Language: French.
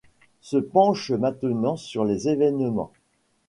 Se penche maintenant sur les événements.